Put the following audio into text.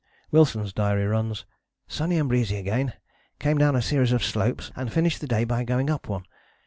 Wilson's diary runs: "Sunny and breezy again. Came down a series of slopes, and finished the day by going up one.